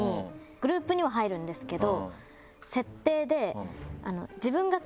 グループには入るんですけど。